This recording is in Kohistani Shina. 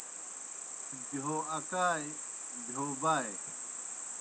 بہیو اکائے۔ بہیو بائے۔